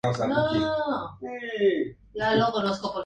Sin embargo un día su madre desaparece misteriosamente.